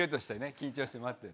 緊張して待ってる。